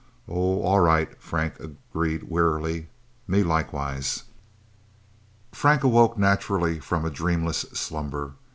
"Oh all right," Frank agreed wearily. "Me, likewise." Frank awoke naturally from a dreamless slumber.